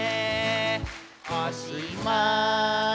「おしまい」